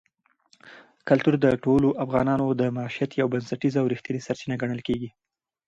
کلتور د ټولو افغانانو د معیشت یوه بنسټیزه او رښتینې سرچینه ګڼل کېږي.